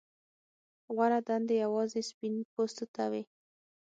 غوره دندې یوازې سپین پوستو ته وې.